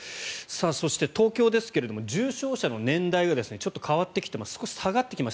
そして、東京ですが重症者の年代がちょっと変わってきています。